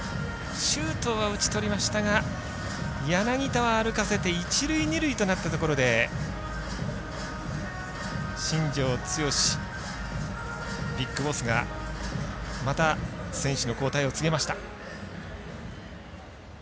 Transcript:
周東は打ち取りましたが柳田は歩かせて一塁二塁となったところで新庄剛志、ＢＩＧＢＯＳＳがまた選手の交代を告げました。